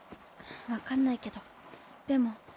わかんないけどでも。